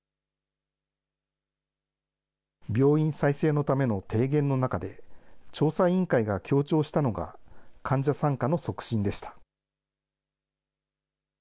病院再生のための提言の中で、調査委員会が強調したのが患者参加の促進でした。